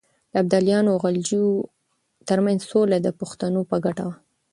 د ابدالیانو او غلجیو ترمنځ سوله د پښتنو په ګټه وه.